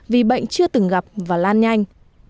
vì bệnh chưa từng gặp và lan nhanh